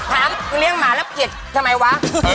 มึงเลี้ยงหมาแล้วเกลียดทำไมวะ